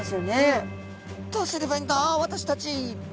「どうすればいいんだ？私たち」。